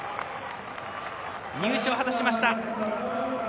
入賞を果たしました。